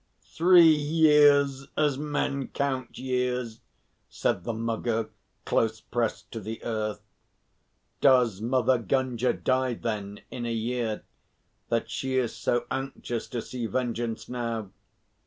"Three years, as men count years," said the Mugger, close pressed to the earth. "Does Mother Gunga die, then, in a year, that she is so anxious to see vengeance now?